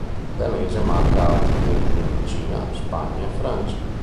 Il danese marca altri punti in Cina, Spagna e Francia.